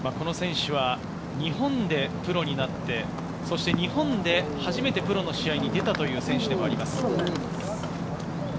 この選手は日本でプロになってそして日本で初めてプロの試合に出たという選手でもあります。